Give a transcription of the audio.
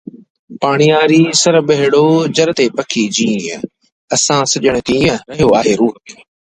Harlan Ellison was a frequent and favorite guest on the program.